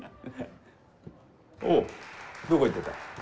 おうどこ行ってた？